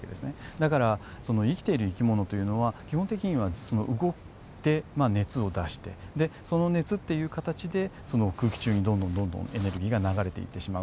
だから生きている生き物というのは基本的には動いて熱を出してでその熱っていう形で空気中にどんどんどんどんエネルギーが流れていってしまう。